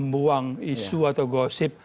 buang isu atau gosip